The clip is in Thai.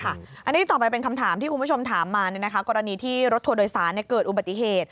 อันนี้ต่อไปเป็นคำถามที่คุณผู้ชมถามมากรณีที่รถทัวร์โดยสารเกิดอุบัติเหตุ